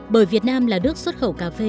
bởi việt nam là nước xuất khẩu cà phê